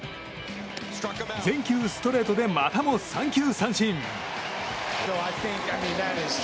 全球ストレートでまたも三球三振！